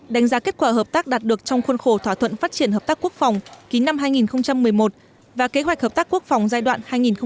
đánh giá kết quả hợp tác đạt được trong khuôn khổ thỏa thuận phát triển hợp tác quốc phòng ký năm hai nghìn một mươi một và kế hoạch hợp tác quốc phòng giai đoạn hai nghìn hai mươi một hai nghìn hai mươi năm